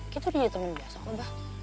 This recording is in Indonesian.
kita udah jadi temen biasa kok abah